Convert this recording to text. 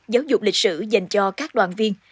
giáo dục lịch sử dành cho các đoàn viên